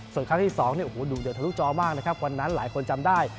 ส่วนครั้งที่สองเนี่ยโอ้โหดุเดือดทะลุจอมากนะครับวันนั้นหลายคนจำได้